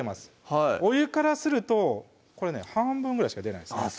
はいお湯からするとこれね半分ぐらいしか出ないですね